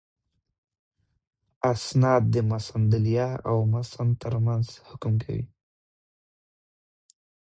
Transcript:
اِسناد د مسندالیه او مسند تر منځ حکم کوي.